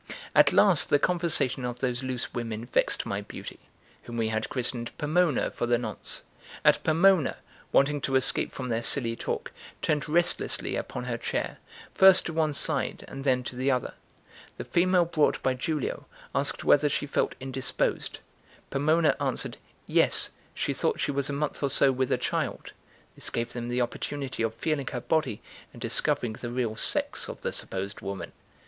At last the conversation of those loose women vexed my beauty, whom we had christened Pomona for the nonce; and Pomona, wanting to escape from their silly talk, turned restlessly upon her chair, first to one side and then to the other. The female brought by Giulio asked whether she felt indisposed. Pomona answered, yes, she thought she was a month or so with a child; this gave them the opportunity of feeling her body and discovering the real sex of the supposed woman.